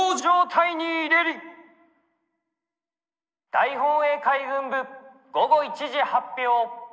大本営海軍部午後１時発表。